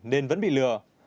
nên vẫn bị lừa